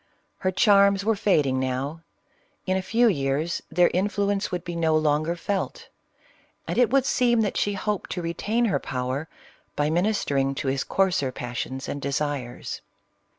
Her charms were fad ing now ; in a few years their influence would be no longer felt ; and it would seem, that she hoped to re tain her power, by ministering to his coarser passions and desires.